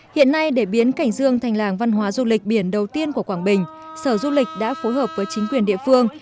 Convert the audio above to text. hiện nay để biến cảnh dương thành làng văn hóa du lịch biển đầu tiên của quảng bình sở du lịch đã phối hợp với chính quyền địa phương